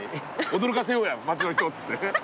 「驚かせようや町の人」っつって。